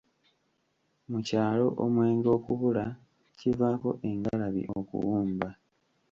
Mu kyalo omwenge okubula kivaako engalabi okuwumba.